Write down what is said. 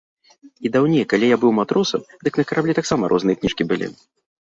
І даўней, калі я быў матросам, дык на караблі таксама розныя кніжкі былі.